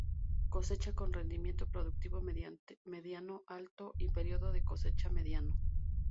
Cosecha con rendimiento productivo mediano-alto, y periodo de cosecha mediano.